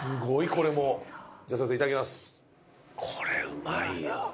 これうまいよ。